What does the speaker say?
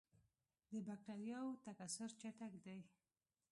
د بکټریاوو تکثر چټک دی.